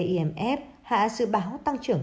imf hạ sự báo tăng trưởng